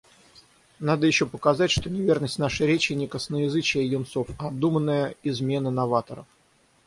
Надо ещё показать, что неверность нашей речи не косноязычие юнцов, а обдуманная измена новаторов.